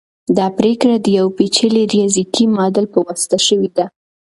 دا پریکړه د یو پیچلي ریاضیکي ماډل په واسطه شوې ده.